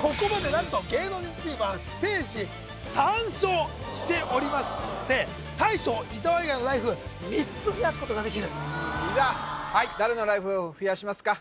ここまでなんと芸能人チームはステージ３勝しておりますんで大将・伊沢以外のライフ３つ増やすことができる伊沢誰のライフを増やしますか？